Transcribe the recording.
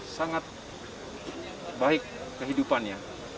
sangat baik kehidupannya